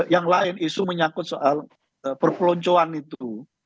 yang lain isu menyangkut soal perpeloncoan itu